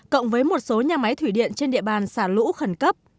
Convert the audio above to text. cộng với một số nhà máy thủy điện trên địa bàn xả lũ khẩn cấp